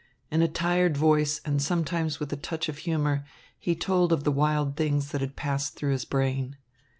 In a tired voice and sometimes with a touch of humour, he told of the wild things that had passed through his brain.